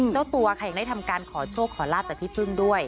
เจ้าตัวค่ะยังได้ทำการขอโชคขอลาบจากพี่พึ่งด้วย